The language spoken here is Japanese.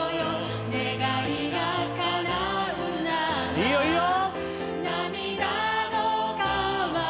いいよいいよ